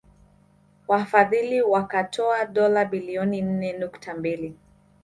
Wafadhili wakatoa dola bilioni nne nukta mbili